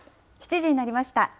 ７時になりました。